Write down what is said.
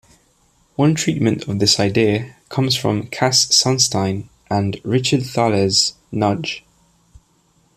One treatment of this idea comes from Cass Sunstein and Richard Thaler's "Nudge".